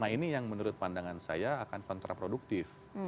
nah ini yang menurut pandangan saya akan kontraproduktif